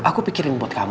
aku pikirin buat kamu